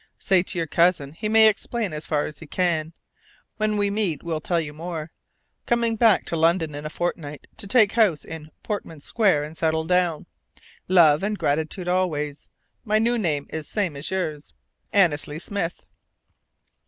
Say to your cousin he may explain as far as he can. When we meet will tell you more. Coming back to London in fortnight to take house in Portman Square and settle down. Love and gratitude always. My new name is same as yours. Annesley Smith.